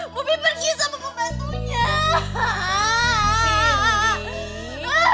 bomi pergi sama pembantunya